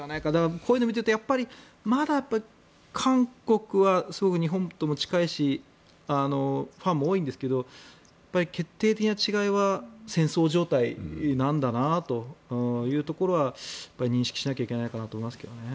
こういうのを見ているとまだ韓国はすごく日本と近いしファンも多いんですけど決定的な違いは戦争状態なんだなというところは認識しないといけないかなと思います。